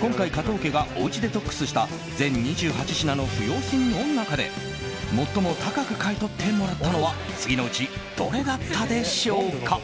今回、加藤家がおうちデトックスした全２８品の不要品の中で最も高く買い取ってもらったのは次のうちどれだったでしょうか。